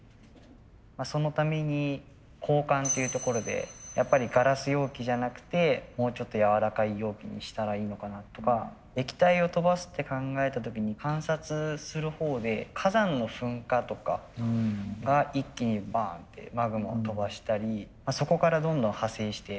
そのために交換っていうところでやっぱりガラス容器じゃなくてもうちょっとやわらかい容器にしたらいいのかなとか液体を飛ばすって考えた時に観察するほうで火山の噴火とかが一気にバーンってマグマを飛ばしたりそこからどんどん派生して。